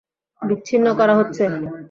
বিচ্ছিন্ন করা হচ্ছে।